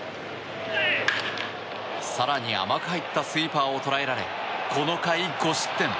更に甘く入ったスイーパーを捉えられこの回５失点。